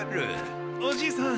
おじいさん